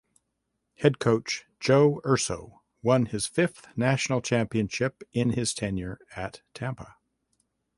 Head Coach Joe Urso won his fifth national championship in his tenure at Tampa.